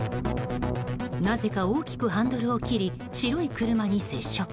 なぜか大きくハンドルを切り白い車に接触。